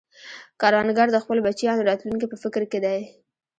کروندګر د خپلو بچیانو راتلونکې په فکر کې دی